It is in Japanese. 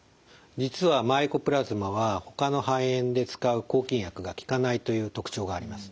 実はマイコプラズマはほかの肺炎で使う抗菌薬が効かないという特徴があります。